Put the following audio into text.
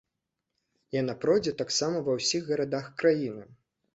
Яна пройдзе таксама ва ўсіх гарадах краіны.